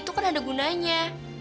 tidak ada gunanya